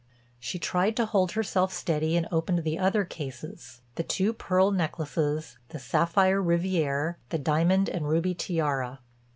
She tried to hold herself steady and opened the other cases—the two pearl necklaces, the sapphire rivière, the diamond and ruby tiara.